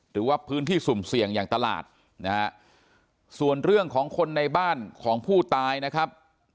หรือว่าพื้นที่สุ่มเสี่ยงอย่างตลาดนะฮะส่วนเรื่องของคนในบ้านของผู้ตายนะครับ